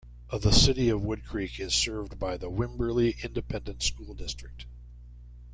The City of Woodcreek is served by the Wimberley Independent School District.